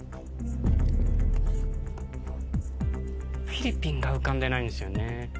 フィリピンが浮かんでないんですよね。